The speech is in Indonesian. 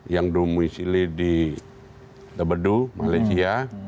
yang domisili di tebedu malaysia